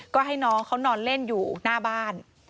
ก็ให้น้องเขานอนเล่นอยู่หน้าบ้าน